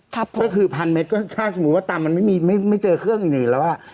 ก็คือพันเมตรก็ค่าสมมุติว่าตำมันไม่มีไม่เจอเครื่องอีกแล้ว